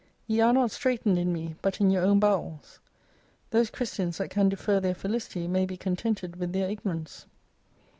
Ye are not straitened in me, but in your own bowels. Those Christians that can defer their felicity may be contented with their ignorance.